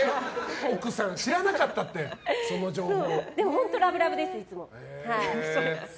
奥さんが知らなかったってでも本当ラブラブです、いつも。